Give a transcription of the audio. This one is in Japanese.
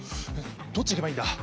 どっち行けばいいんだ？